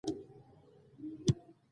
سيرلى پوست سوى ، په لکۍ مانده دى.